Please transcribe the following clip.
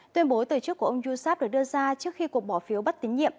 tuyên bố từ trước của ông yousaf được đưa ra trước khi cuộc bỏ phiếu bắt tín nhiệm